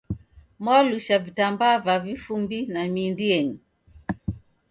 Mwalusha vitambaa va vifumbi na mindi yenyu.